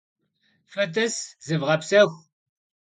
Fıt'ıs, zıvğepsexu!